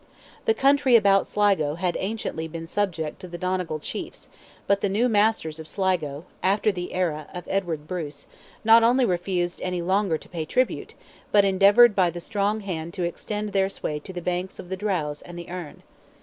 The country about Sligo had anciently been subject to the Donegal chiefs, but the new masters of Sligo, after the era of Edward Bruce, not only refused any longer to pay tribute, but endeavoured by the strong hand to extend their sway to the banks of the Drowse and the Erne.